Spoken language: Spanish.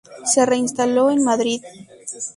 Se reinstaló en Madrid.